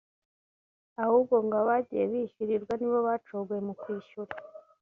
ahubwo ngo abagiye bishyurirwa ni bo bacogoye mu kwishyura